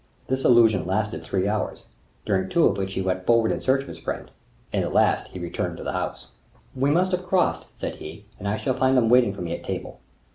This illusion lasted three hours; during two of which he went forward in search of his friend—in the last he returned to the house. "We must have crossed," said he, "and I shall find them waiting for me at table."